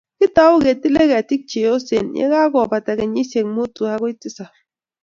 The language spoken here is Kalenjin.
kitou ketile ketik cheyosen yekakobata kenyisiek muutu akoi tisab